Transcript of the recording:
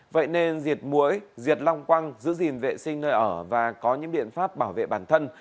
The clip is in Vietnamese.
vậy nên diệt mũi diệt long quăng giữ gìn vệ sinh nơi ở và có những biện pháp bảo vệ bản thân